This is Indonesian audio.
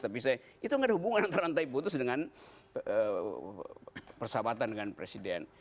tapi saya itu gak ada hubungan antara rantai putus dengan persahabatan dengan presiden